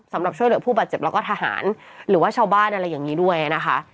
สำหรับช่วยเหลือผู้บาดเจ็บแล้วก็ทหารหรือว่าชาวบ้านอะไรอย่างนี้ด้วยนะคะ